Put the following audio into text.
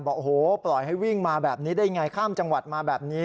บอกโอ้โหปล่อยให้วิ่งมาแบบนี้ได้ยังไงข้ามจังหวัดมาแบบนี้